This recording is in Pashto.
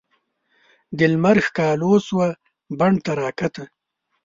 د لمر ښکالو شوه بڼ ته راکښته